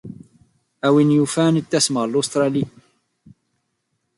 A win yufan ad d-tasem ɣer Ustṛalya.